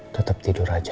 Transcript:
tetap tidur aja